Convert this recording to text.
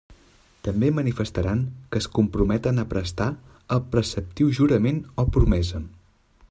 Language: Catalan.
També manifestaran que es comprometen a prestar el preceptiu jurament o promesa.